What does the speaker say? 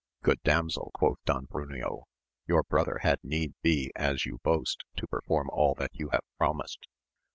. Good damsel, quoth Don Bruneo, your brother had need be as you boast to perform all that you have promised